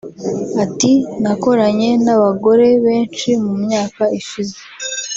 Ati “Nakoranye n’abagore benshi mu myaka ishize